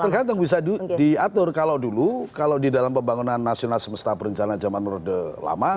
tergantung bisa diatur kalau dulu kalau di dalam pembangunan nasional semesta berencana zaman roda lama